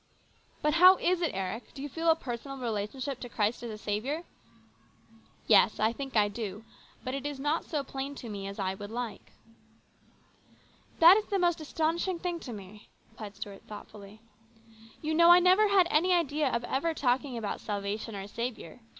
" But how is it, Eric ? Do you feel a personal relationship to Christ as a Saviour ?"" Yes, I think I do. But it is not so plain to me as I would like." " That is the most astonishing thing to me," replied Stuart thoughtfully. " You know I never had any idea of ever talking about salvation or a Saviour.